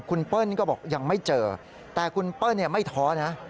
คุณเปิ้ลก็บอกยังไม่เจอแต่คุณเปิ้ลไม่ท้อนะ